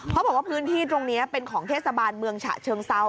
เขาบอกว่าพื้นที่ตรงนี้เป็นของเทศบาลเมืองฉะเชิงเซา